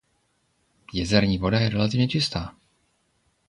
Jezerní voda je relativně čistá.